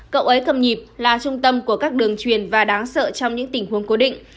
cậu ấy cầm nhịp là trung tâm của các đường truyền và đáng sợ trong những tình huống cố định